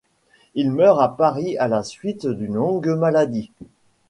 Il meurt à Paris à la suite d'une longue maladie.